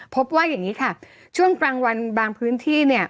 พบว่าอย่างนี้ค่ะช่วงกลางวันบางพื้นที่เนี่ย